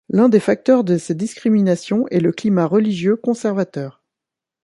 L'un des facteurs de ces discriminations est le climat religieux conservateur.